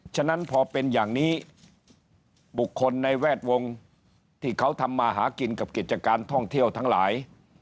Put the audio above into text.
ฉะนั้นพอเป็นอย่างนี้บุคคลในแวดวงที่เขาทำมาหากินกับกิจการท่องเที่ยวทั้งหลาย